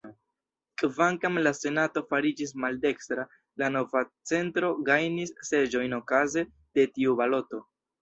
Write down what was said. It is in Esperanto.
Kvankam la Senato fariĝis maldekstra, la Nova Centro gajnis seĝojn okaze de tiu baloto.